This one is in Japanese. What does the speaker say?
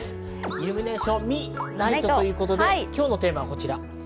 イルミネーション見ナイト！ということで今日のテーマはこちら。